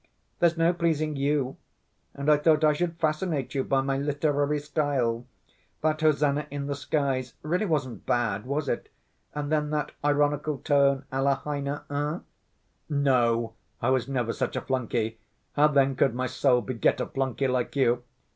"There's no pleasing you! And I thought I should fascinate you by my literary style. That hosannah in the skies really wasn't bad, was it? And then that ironical tone à la Heine, eh?" "No, I was never such a flunkey! How then could my soul beget a flunkey like you?"